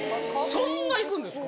そんな行くんですか？